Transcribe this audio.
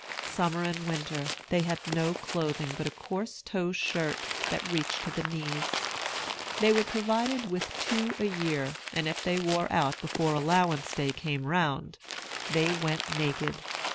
Summer and winter, they had no clothing but a coarse tow shirt that reached to the knees. They were provided with two a year; and if they wore out before allowance day came round, they went naked.